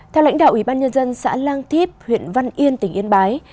theo lãnh đạo ủy ban nhân dân xã lang thíp huyện văn yên tỉnh yên bái